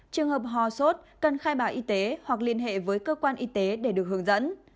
trường hợp hò sốt cần khai báo y tế hoặc liên hệ với cơ quan y tế để được hướng dẫn